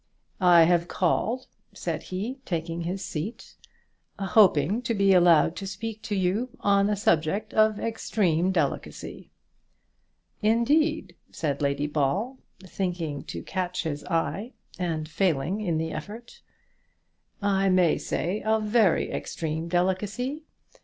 "I have called," said he, taking his seat, "hoping to be allowed to speak to you on a subject of extreme delicacy." "Indeed," said Lady Ball, thinking to catch his eye, and failing in the effort. "I may say of very extreme delicacy.